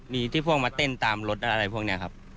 มีที่พวกมาเต้นตามรถอะไรพวกนี้ครับ